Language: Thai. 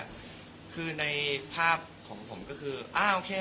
ผมก็เอารองห่อมกไปก่อน